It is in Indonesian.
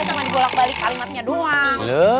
cuma dibolak balik kalimatnya doang